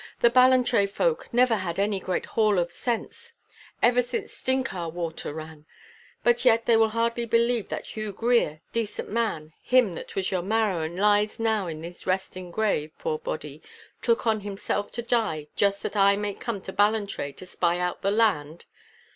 The Ballantrae folk never had any great haul of sense ever since Stinchar water ran; but yet they will hardly believe that Hew Grier, decent man—him that was your marrow and lies now in his resting grave, poor body—took on himself to die, just that I might come to Ballantrae to spy out the land!